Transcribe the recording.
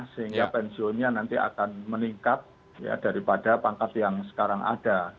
sehingga pensiunnya nanti akan meningkat daripada pangkat yang sekarang ada